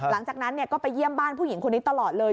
หลังจากนั้นก็ไปเยี่ยมบ้านผู้หญิงคนนี้ตลอดเลย